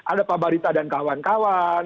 ada pak barita dan kawan kawan